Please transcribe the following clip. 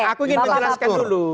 aku ingin menjelaskan dulu